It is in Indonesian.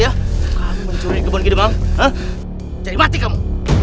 kau mencuri kebun kidemang jadi mati kamu